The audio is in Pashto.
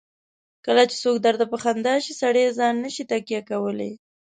کله چې څوک درته په خندا شي سړی ځان نه شي تکیه کولای.